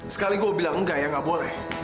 sekali gue bilang enggak ya nggak boleh